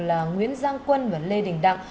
là nguyễn giang quân và lê đình đặng